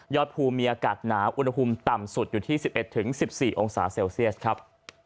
ยอดภูมิมีอากาศหนาวอุณหภูมิต่ำสุดอยู่ที่สิบเอ็ดถึงสิบสี่องศาเซลเซียสครับ